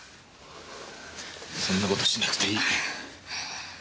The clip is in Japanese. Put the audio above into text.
そんな事しなくていい。